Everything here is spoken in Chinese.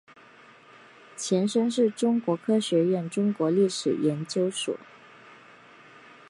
前身是中国科学院中国历史研究所。